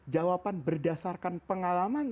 jawaban berdasarkan pengalaman